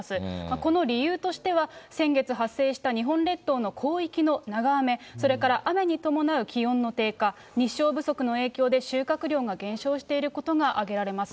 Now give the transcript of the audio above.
この理由としては、先月発生した日本列島の広域の長雨、それから雨に伴う気温の低下、日照不足の影響で収穫量が減少していることが挙げられます。